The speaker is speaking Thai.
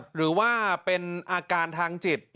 หรือว่าเป็นอาการทางจิต